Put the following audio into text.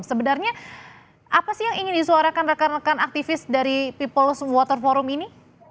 sebenarnya apa sih yang ingin disuarakan rekan rekan aktivis dari peoples water forum ini